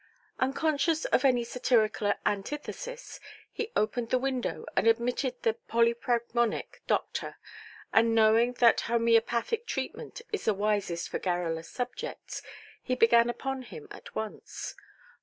Unconscious of any satirical antithesis, he opened the window, and admitted the polypragmonic doctor; and, knowing that homœopathic treatment is the wisest for garrulous subjects, he began upon him at once.